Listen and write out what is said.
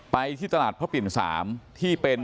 ที่ตลาดพระปิ่น๓ที่เป็น